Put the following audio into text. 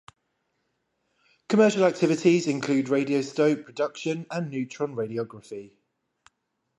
Commercial activities include radioisotope production and neutron radiography.